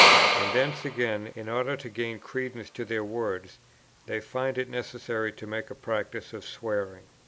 And thence again, in order to gain credence to their words, they find it necessary to make a practice of swearing.